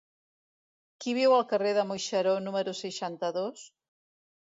Qui viu al carrer del Moixeró número seixanta-dos?